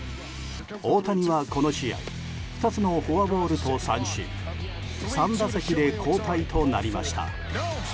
大谷はこの試合２つのフォアボールと三振３打席で交代となりました。